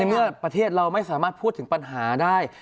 เมื่อประเทศเราไม่สามารถพูดถึงปัญหาได้